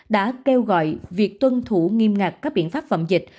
đã kêu gọi việc tuân thủ nghiêm ngặt các biện pháp phòng dịch